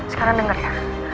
sekarang denger ya